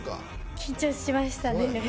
緊張しましたね。